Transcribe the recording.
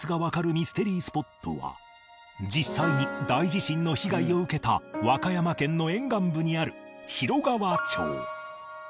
ミステリースポットは実際に大地震の被害を受けた和歌山県の沿岸部にある広川町